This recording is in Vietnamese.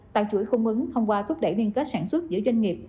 tạo chuỗi cung ứng thông qua thúc đẩy liên kết sản xuất giữa doanh nghiệp